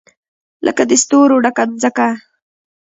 لکه د ستورو ډکه مځکه